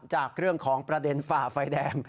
จากเรื่องของประเด็นฝ่าไฟแดง